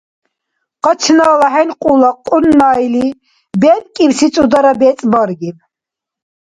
Къачнала хӀенкьула Кьуннайли бебкӀибси цӀудара бецӀ баргиб.